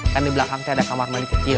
kan dibelakang tuh ada kamar mandi kecil